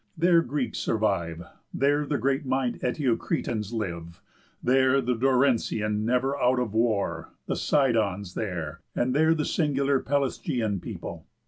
There Greeks survive, There the great minded Eteocretans live, There the Dorensians never out of war, The Cydons there, and there the singular Pelasgian people.